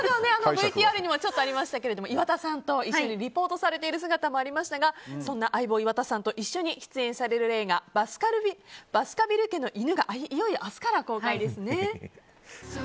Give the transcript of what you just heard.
ＶＴＲにもありましたけど岩田さんと一緒にリポートしている姿もありましたがそんな相棒・岩田さんと一緒に出演される映画「バスカヴィル家の犬」がいよいよ明日から公開ですね。